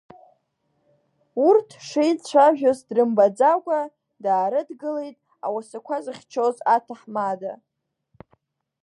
Урҭ шеицәажәоз дрымбаӡакәа даарыдгылеит ауасақәа зыхьчоз аҭаҳмада.